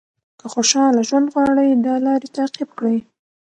که خوشاله ژوند غواړئ دا لارې تعقیب کړئ.